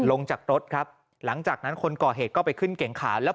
ลงจากรถครับหลังจากนั้นคนก่อเหตุก็ไปขึ้นเก่งขาแล้ว